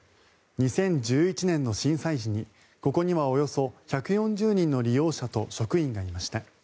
２０１１年の震災時にここにはおよそ１４０人の利用者と職員がいました。